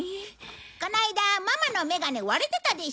この間ママのメガネ割れてたでしょ？